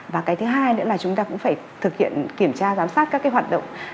và cái thứ hai nữa là chúng ta cũng phải thực hiện kiểm tra giám sát các cái hoạt động